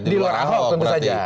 di luar ahok tentu saja